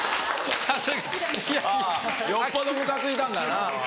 よっぽどムカついたんだな。